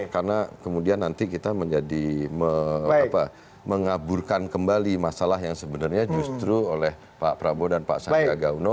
karena kemudian nanti kita menjadi mengaburkan kembali masalah yang sebenarnya justru oleh pak prabowo dan pak sanda gauno